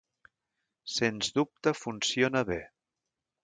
Sens dubte, funciona bé.